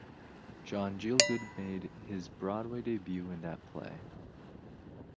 John Gielgud made his Broadway debut in that play.